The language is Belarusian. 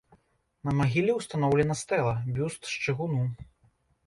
На магіле ўстаноўлена стэла, бюст з чыгуну.